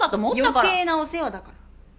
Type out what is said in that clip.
余計なお世話だから。